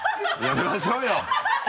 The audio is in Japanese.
やめましょうよ。